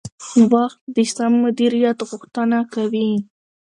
وخت د سم مدیریت غوښتنه کوي